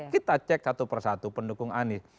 kita cek satu persatu pendukung anies